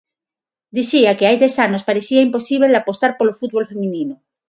Dicía que hai dez anos parecía imposíbel apostar polo fútbol feminino.